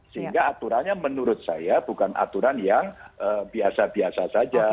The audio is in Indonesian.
sehingga aturannya menurut saya bukan aturan yang biasa biasa saja